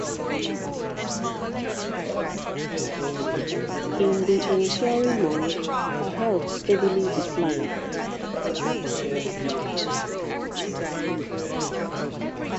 In the ensuing months, her health steadily declined.